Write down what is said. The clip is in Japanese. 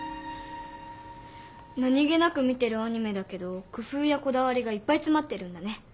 何気なく見てるアニメだけど工ふうやこだわりがいっぱいつまってるんだね。